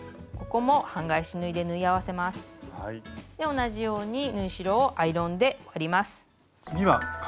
同じように縫い代をアイロンで割ります。